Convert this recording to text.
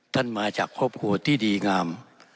มาจากครอบครัวที่ดีงาม